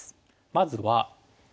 まずは。